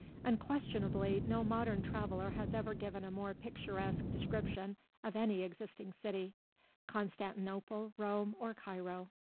Unquestionably no modern traveller has ever given a more picturesque description of any existing city, Constantinople, Rome, or Cairo.